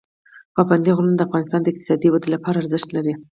پابندی غرونه د افغانستان د اقتصادي ودې لپاره ارزښت لري.